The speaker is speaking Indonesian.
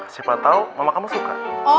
siapa tahu mama kamu suka